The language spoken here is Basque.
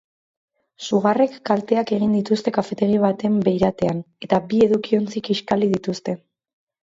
Sugarrek kalteak egin dituzte kafetegi baten beiratean eta bi edukiontzi kiskali dituzte.